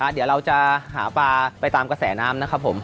เดี๋ยวเราจะหาปลาไปตามกระแสน้ำนะครับผม